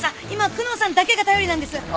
今久能さんだけが頼りなんです！